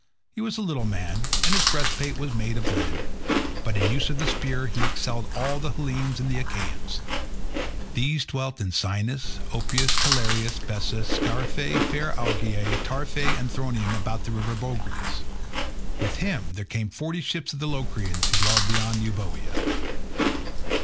He was a little man, and his breastplate was made of linen, but in use of the spear he excelled all the Hellenes and the Achaeans. These dwelt in Cynus, Opous, Calliarus, Bessa, Scarphe, fair Augeae, Tarphe, and Thronium about the river Boagrius. With him there came forty ships of the Locrians who dwell beyond Euboea.